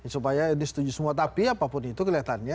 supaya disetujui semua tapi apapun itu kelihatannya